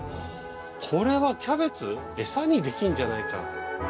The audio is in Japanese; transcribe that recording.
これはキャベツエサにできるんじゃないか。